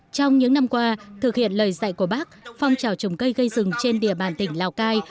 trong những năm qua thực hiện lời dạy của bác phong trào trồng cây gây rừng trên địa bàn tỉnh lào cai